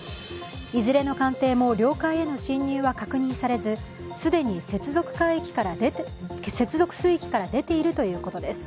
いずれの艦艇も領海への侵入は確認されず既に接続水域から出ているということです。